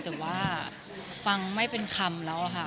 แต่ว่าฟังไม่เป็นคำแล้วค่ะ